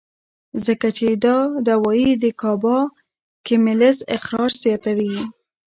ځکه چې دا دوائي د ګابا کېميکلز اخراج زياتوي